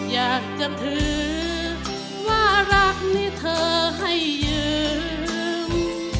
อยากจะถือว่ารักนี่เธอให้ยืม